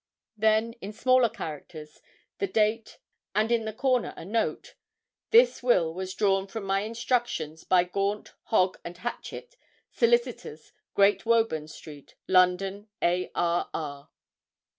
Then, in smaller characters, the date, and in the corner a note 'This will was drawn from my instructions by Gaunt, Hogg, and Hatchett, Solicitors, Great Woburn Street, London, A.R.R.'